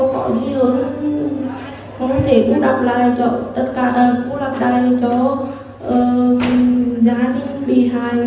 không thể đọc lại cho gia đình bị hại